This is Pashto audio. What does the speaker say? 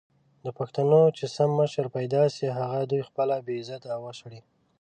د پښتنو چې سم مشر پېدا سي هغه دوي خپله بې عزته او وشړي!